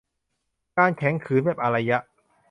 การแข็งขืนแบบอารยะ